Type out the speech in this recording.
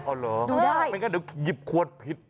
อ๋อเหรอเดี๋ยวหยิบขวดผิด